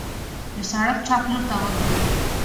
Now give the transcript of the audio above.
د سړک چپ لورته وګورئ.